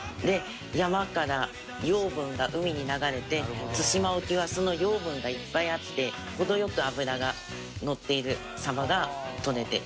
山から養分が海に流れて対馬沖はその養分がいっぱいあって程良く脂がのっているサバがとれて。